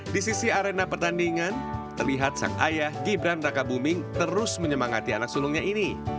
di sisi arena pertandingan terlihat sang ayah gibran raka buming terus menyemangati anak sulungnya ini